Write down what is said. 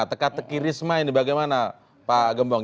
teka teki risma ini bagaimana pak gembong